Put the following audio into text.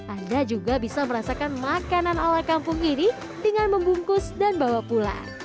anda juga bisa merasakan makanan ala kampung ini dengan membungkus dan bawa pulang